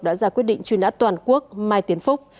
đã ra quyết định truy nã toàn quốc mai tiến phúc